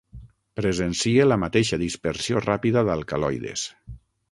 Presencie la mateixa dispersió ràpida d'alcaloides.